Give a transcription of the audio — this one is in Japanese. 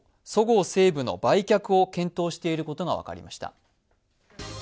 そごう・西武の売却を検討していることが分かりました。